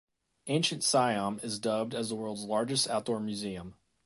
Ancient Siam is dubbed as the world's largest outdoor museum.